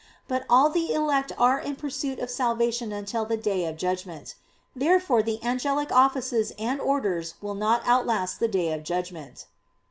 But all the elect are in pursuit of salvation until the Day of Judgment. Therefore the angelic offices and orders will not outlast the Day of Judgment.